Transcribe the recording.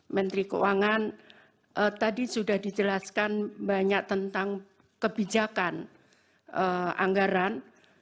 menteri keuangan tadi sudah dijelaskan banyak tentang kebijakan anggaran